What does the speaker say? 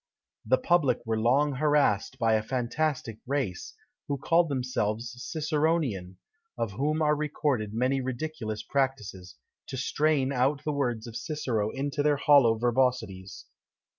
The public were long harassed by a fantastic race, who called themselves Ciceronian, of whom are recorded many ridiculous practices, to strain out the words of Cicero into their hollow verbosities.